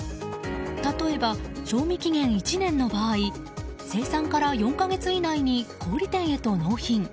例えば、賞味期限１年の場合生産から４か月以内に小売店へと納品。